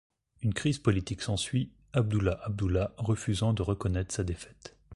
Une crise politique s'ensuit, Abdullah Abdullah refusant de reconnaître sa défaite.